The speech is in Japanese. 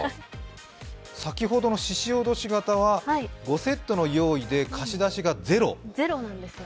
先ほどのししおどし型は、５セットの用意で貸し出しがゼロ。